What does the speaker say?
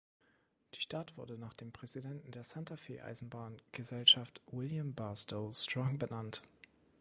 Die Stadt wurde nach dem Präsidenten der Santa-Fe-Eisenbahngesellschaft William Barstow Strong benannt.